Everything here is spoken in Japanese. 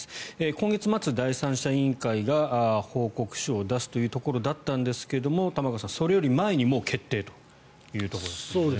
今月末、第三者委員会が報告書を出すところだったんですが玉川さん、それより前にもう決定というところです。